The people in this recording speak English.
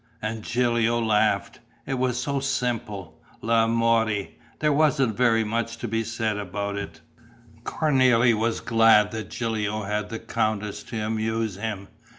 And Gilio laughed. It was so simple, l'amore; there wasn't very much to be said about it. Cornélie was glad that Gilio had the countess to amuse him.